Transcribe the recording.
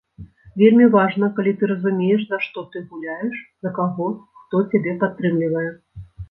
Вельмі важна, калі ты разумееш, за што ты гуляеш, за каго, хто цябе падтрымлівае.